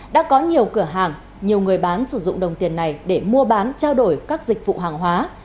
đã có nhiều cửa hàng nhiều người bán sử dụng đồng tiền này để mua bán trao đổi các dịch vụ hàng hóa